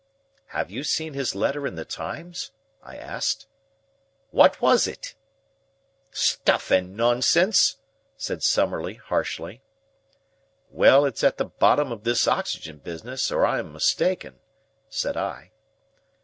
"Have you seen his letter in the Times?" I asked. "What was it?" "Stuff and nonsense!" said Summerlee harshly. "Well, it's at the bottom of this oxygen business, or I am mistaken," said I.